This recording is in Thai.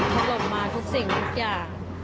เขาหลบมาทุกสิ่งทุกอย่าง